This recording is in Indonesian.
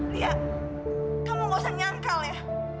dia kamu gak usah nyangkal ya